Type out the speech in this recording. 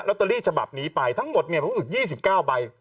ล็อตเตอรี่ฉบับหนีไปทั้งหมดเนี่ยพออุดยี่สิบเก้าใบ